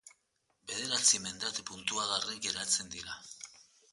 Bederatzi mendate puntuagarri geratzen dira.